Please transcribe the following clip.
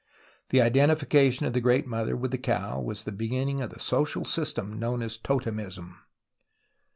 The identification of the Great Mother with the cow was the beginning of the social system known as totemism.